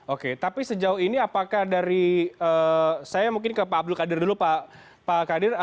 oke tapi sejauh ini apakah dari saya mungkin ke pak abdul qadir dulu pak kadir